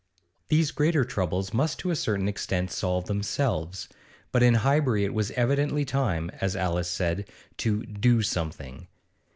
These greater troubles must to a certain extent solve themselves, but in Highbury it was evidently time, as Alice said, to 'do something.